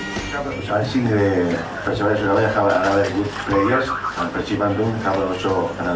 persib bandung akan menjadi pemain dan persib bandung akan menjadi pemain